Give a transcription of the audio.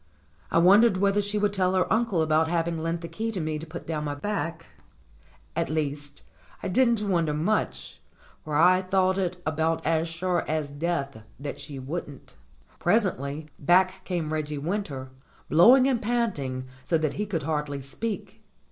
I won dered whether she would tell her uncle about having lent the key to me to put down my back; at least, I didn't wonder much, for I thought it about as sure as death that she wouldn't. Presently back came Reggie Winter, blbwing and panting so that he could hardly speak.